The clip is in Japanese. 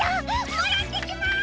もらってきます！